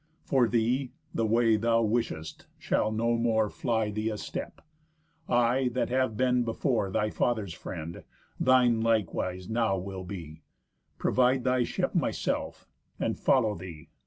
For thee, the way thou wishest shall no more Fly thee a step; I, that have been before Thy father's friend, thine likewise now will be, Provide thy ship myself, and follow thee.